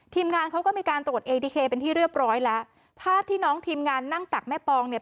งานเขาก็มีการตรวจเอดีเคเป็นที่เรียบร้อยแล้วภาพที่น้องทีมงานนั่งตักแม่ปองเนี่ย